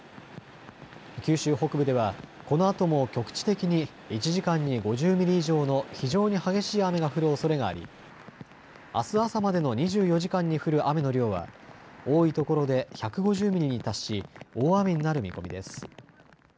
九州北部ではこのあとも局地的に１時間に５０ミリ以上の非常に激しい雨が降るおそれがありあす朝までの２４時間に降る雨の量は多いところで１５０ミリに達し大雨になる見込みです。